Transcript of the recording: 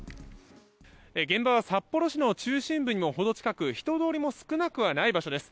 現場は札幌市の中心部にもほど近く人通りも少なくはない場所です。